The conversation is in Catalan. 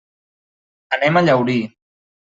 Anem a Llaurí.